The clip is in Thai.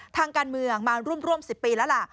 ทางการเมืองมาร่วม๑๐ปีแล้วล่ะ